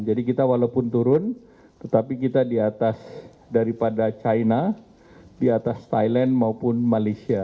jadi kita walaupun turun tetapi kita di atas daripada china di atas thailand maupun malaysia